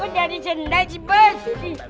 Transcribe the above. udah disendat si bos